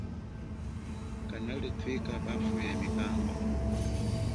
Kanali thwika bafu ya mikamba.